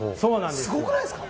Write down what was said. すごくないですか？